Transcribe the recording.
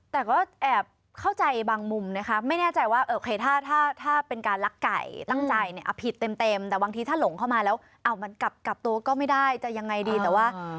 แต่ก็แอบเข้าใจบางมุมนะคะไม่แน่ใจว่าถ้าเป็นการลักไก่ตั้งใจเนี่ยผิดเต็มแต่บางทีถ้าหลงเข้ามาแล้วมันกลับตัวก็ไม่ได้จะยังไงดีแต่ว่า